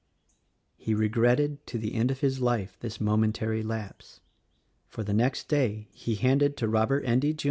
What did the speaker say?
He regretted to the end of his life this momentary lapse; for the next day he handed to Robert Endy, Jr.